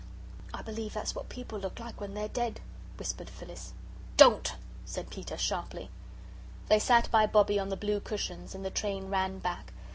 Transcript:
"I believe that's what people look like when they're dead," whispered Phyllis. "DON'T!" said Peter, sharply. They sat by Bobbie on the blue cushions, and the train ran back.